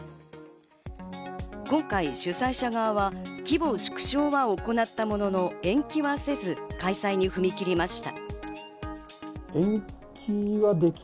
今回、主催者側は規模縮小は行ったものの延期はせず開催に踏み切りました。